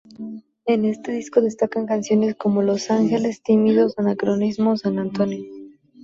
En este disco destacan canciones como "Los ángeles", "Tímidos", "Anacronismo" o "San Antonio".